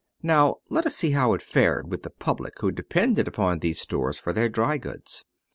Now let us see how it fared with the public who depended upon these stores for their dry goods.